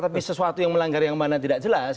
tapi sesuatu yang melanggar yang mana tidak jelas